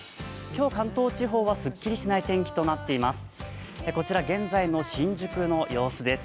今日関東地方はすっきりしない天気となっています。